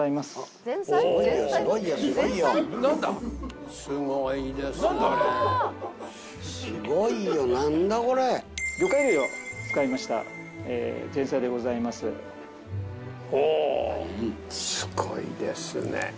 すごいですね。